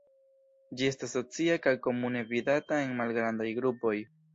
Ĝi estas socia kaj komune vidata en malgrandaj grupoj.